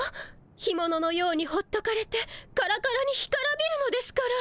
干もののようにほっとかれてカラカラに干からびるのですから。